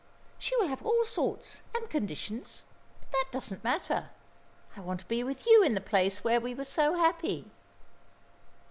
"She will have all sorts and conditions, but that doesn't matter. I want to be with you in the place where we were so happy."